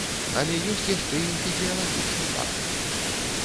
Але ёсць яшчэ і фізіялагічны фактар.